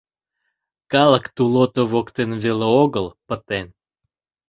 Калык тулото воктен веле огыл пытен.